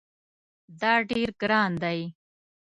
دا ډیر ګران دی